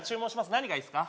何がいいですか？